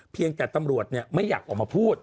เพียงแต่ตำรวจไม่อยากออกมาพูด